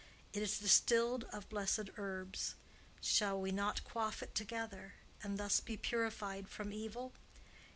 It is distilled of blessed herbs. Shall we not quaff it together, and thus be purified from evil?"